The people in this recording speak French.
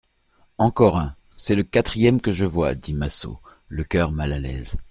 Encore un, c'est le quatrième que je vois, dit Massot, le cœur mal à l'aise.